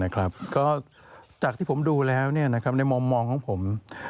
ก็จากที่ผมดูแล้วในมุมมองของผม